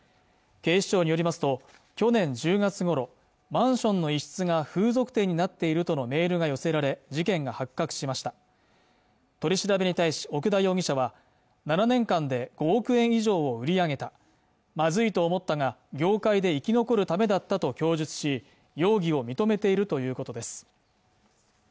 警視庁によりますと去年１０月ごろマンションの一室が風俗店になっているとのメールが寄せられ事件が発覚しました取り調べに対し奥田容疑者は７年間で５億円以上を売り上げたまずいと思ったが業界で生き残るためだったと供述し容疑を認めているということです